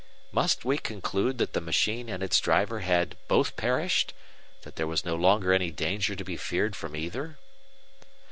Must we conclude that the machine and its driver had both perished, that there was no longer any danger to be feared from either?